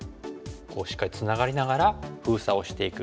しっかりつながりながら封鎖をしていく。